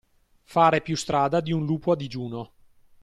Fare più strada di un lupo a digiuno.